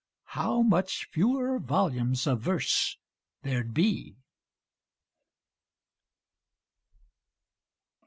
How much fewer volumes of verse there'd be!